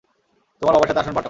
তোমার বাবার সাথে আসন পাল্টাও।